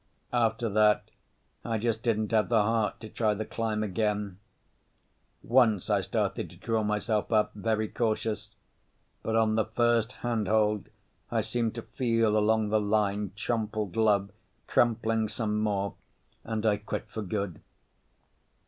After that I just didn't have the heart to try the climb again. Once I started to draw myself up, very cautious, but on the first handhold I seemed to feel along the line Trompled Love crumpling some more and I quit for good.